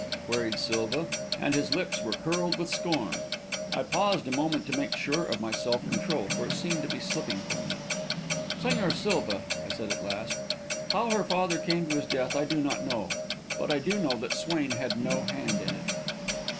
queried Silva, and his lips were curled with scorn. I paused a moment to make sure of my self control, for it seemed to be slipping from me. "Señor Silva," I said, at last, "how her father came to his death I do not know; but I do know that Swain had no hand in it."